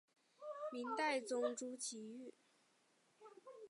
明代宗朱祁钰。